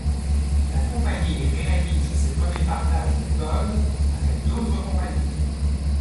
La compagnie réalise ses premiers partages de code avec d'autres compagnies.